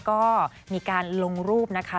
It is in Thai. ก็มีการลงรูปนะคะ